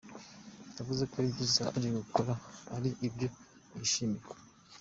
Yavuze ko ibyiza bari gukora ari ibyo kwishimirwa.